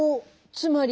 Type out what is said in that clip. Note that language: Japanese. つまり。